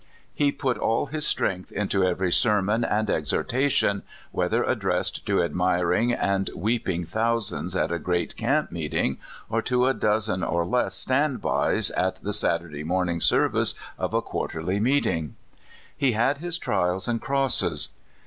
He put all his strength into every sermon and exhortation, whether ad dressed to admiring and weeping thousands at a FATHER FISUEB. 137 great camp meeting, or to a dozen or less "stand bys" at the Saturday morning service of a quar terly meeting. He had his trials and crosses.